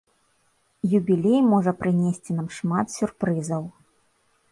Юбілей можа прынесці нам шмат сюрпрызаў.